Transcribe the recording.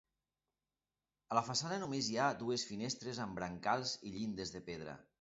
A la façana només hi ha dues finestres amb brancals i llindes de pedra.